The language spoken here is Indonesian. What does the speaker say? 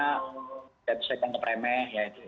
tidak bisa kondisi remeh